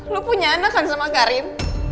lo punya anak kan sama karin